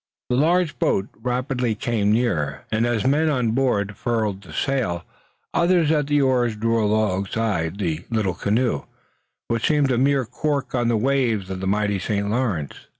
The large boat rapidly came nearer, and as men on board furled the sail others at the oars drew it alongside the little canoe, which seemed a mere cork on the waves of the mighty St. Lawrence.